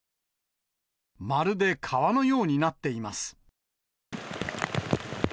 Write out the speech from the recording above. まるで川のようになっています。